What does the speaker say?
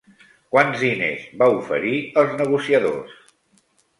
Quants diners va oferir els negociadors?